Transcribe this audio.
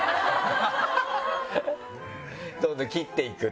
どんどん切っていくと。